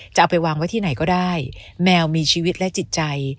จะเอาไปวางไว้ที่ไหนก็ได้แมวมีชีวิตและจิตใจ